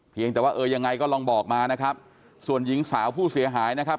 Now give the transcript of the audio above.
เพียงแต่ว่าเออยังไงก็ลองบอกมานะครับส่วนหญิงสาวผู้เสียหายนะครับ